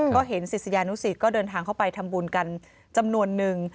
ก็เห็นศิษยานุสิตก็เดินทางเข้าไปทำบุญกันจำนวนนึง